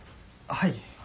はい。